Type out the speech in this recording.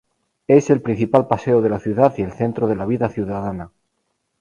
Es el principal paseo de la ciudad y el centro de la vida ciudadana.